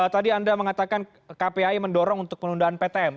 tadi anda mengatakan kpai mendorong untuk penundaan ptm